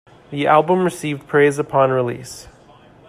The album received praise upon release.